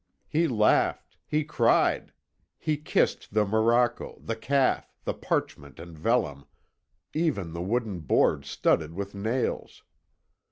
He laughed, he cried, he kissed the morocco, the calf, the parchment, and vellum, even the wooden boards studded with nails.